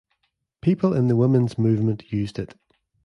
People in the women's movement used it.